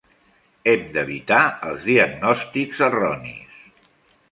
Hem d'evitar els diagnòstics erronis.